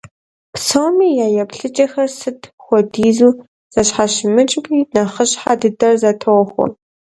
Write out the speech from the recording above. Псоми я еплъыкӀэхэр, сыт хуэдизу зэщхьэщымыкӀми, нэхъыщхьэ дыдэр зэтохуэ.